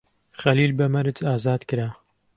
خەلیل بە مەرج ئازاد کرا.